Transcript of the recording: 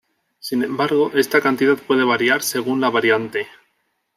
Sin embargo, esta cantidad puede variar según la variante.